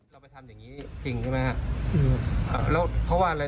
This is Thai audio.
เราไปทำอย่างงี้จริงใช่ไหมฮะอืมแล้วเพราะว่าอะไร